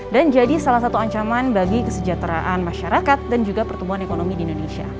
dan jadi salah satu ancaman bagi kesejahteraan masyarakat dan juga pertumbuhan ekonomi di indonesia